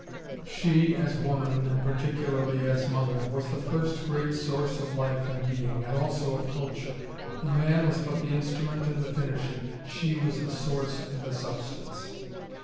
She, as woman, and particularly as mother, was the first great source of life and being, and also of culture. The man was but the instrument and the finisher. She was the source and the substance.